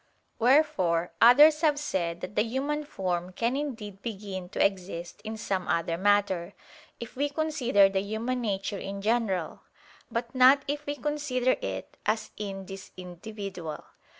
Wherefore others have said that the human form can indeed begin to exist in some other matter, if we consider the human nature in general: but not if we consider it as in this individual.